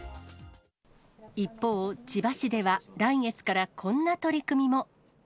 一方、千葉市では、来月からこんな取り組みも。